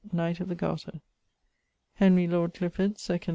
Knight of the Garter. | Henry, lord Clifford, second earle _m.